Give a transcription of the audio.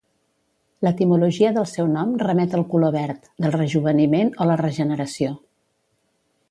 L'etimologia del seu nom remet al color verd, del rejoveniment o la regeneració.